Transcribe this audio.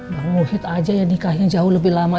bang muhid aja ya nikahnya jauh lebih lama